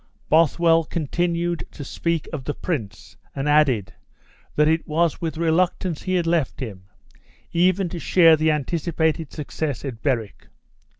Bothwell continued to speak of the prince, and added, that it was with reluctance he had left him, even to share the anticipated success at Berwick.